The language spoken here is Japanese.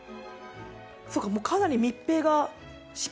そっかもうかなり。